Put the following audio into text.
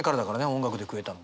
音楽で食えたの。